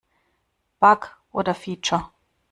Bug oder Feature?